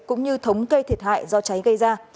cũng như thống kê thiệt hại do cháy gây ra